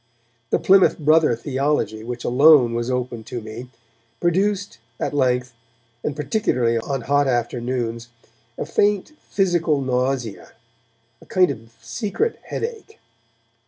The Plymouth Brother theology which alone was open to me produced, at length, and particularly on hot afternoons, a faint physical nausea, a kind of secret headache.